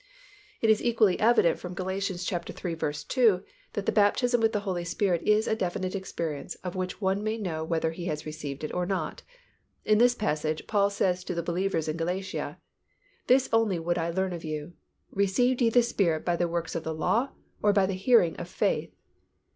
It is equally evident from Gal. iii. 2 that the baptism with the Holy Spirit is a definite experience of which one may know whether he has received it or not. In this passage Paul says to the believers in Galatia, "This only would I learn of you, Received ye the Spirit by the works of the law, or by the hearing of faith?"